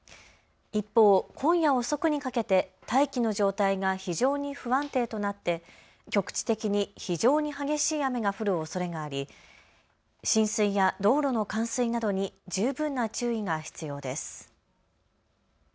一方、今夜遅くにかけて大気の状態が非常に不安定となって局地的に非常に激しい雨が降るおそれがあり、浸水や道路の冠水などに十分な注意が必要です。